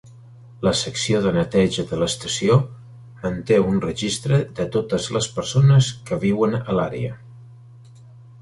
La secció de neteja de la estació manté un registre de totes les persones que viuen a l'àrea.